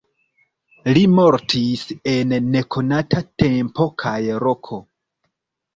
Li mortis en nekonata tempo kaj loko.